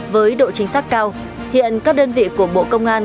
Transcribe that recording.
với độ chính xác cao hiện các đơn vị của bộ công an